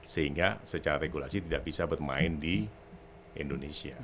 sehingga secara regulasi tidak bisa bermain di indonesia